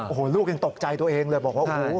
โอ้โหลูกยังตกใจตัวเองเลยบอกว่าโอ้โห